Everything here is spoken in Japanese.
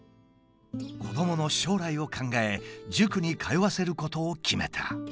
子どもの将来を考え塾に通わせることを決めた。